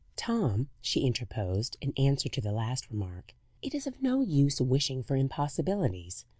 "Tom," she interposed, in answer to the last remark, "it is of no use wishing for impossibilities.